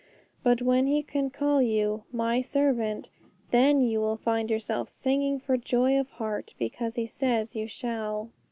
But when He can call you 'My servant,' then you will find yourself singing for joy of heart, because He says you shall.